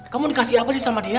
kamu dikasih apa sih sama dia